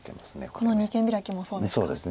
この二間ビラキもそうですか。